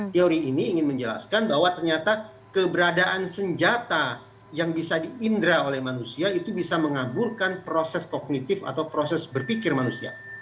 teori ini ingin menjelaskan bahwa ternyata keberadaan senjata yang bisa diindra oleh manusia itu bisa mengaburkan proses kognitif atau proses berpikir manusia